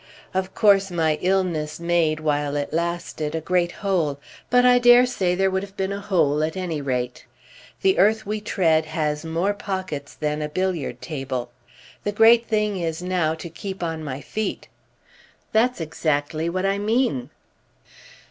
Of course my illness made, while it lasted, a great hole—but I dare say there would have been a hole at any rate. The earth we tread has more pockets than a billiard table. The great thing is now to keep on my feet." "That's exactly what I mean."